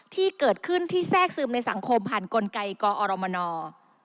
ที่เกิดขึ้นที่แทรกซึมในสังคมผ่านกลไกกอรมน